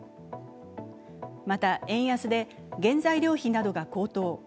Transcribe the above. また円安で原材料費などが高騰。